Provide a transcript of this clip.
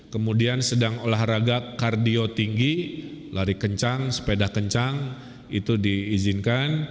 kemudian sedang olahraga kardio tinggi lari kencang sepeda kencang itu diizinkan